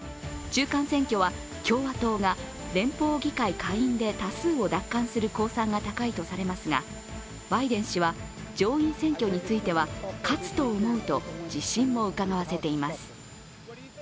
中間選挙は共和党が連邦議会下院で多数を奪還する公算が高いとされていますがバイデン氏は上院選挙については、勝つと思うと自信をうかがわせています。